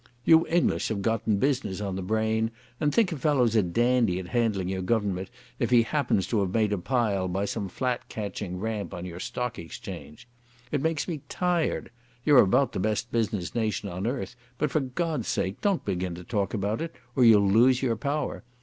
You English have gotten business on the brain, and think a fellow's a dandy at handling your Government if he happens to have made a pile by some flat catching ramp on your Stock Exchange. It makes me tired. You're about the best business nation on earth, but for God's sake don't begin to talk about it or you'll lose your power.